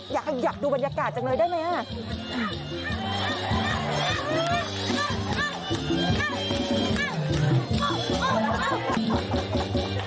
อยากดูบรรยากาศจังเลยได้ไหมอ่ะ